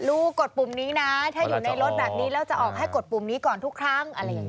กดปุ่มนี้นะถ้าอยู่ในรถแบบนี้แล้วจะออกให้กดปุ่มนี้ก่อนทุกครั้งอะไรอย่างนี้